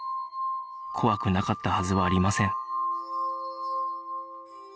怖くなかったはずはありません